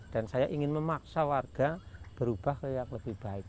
dan saya ingin memaksa warga berubah ke yang lebih baik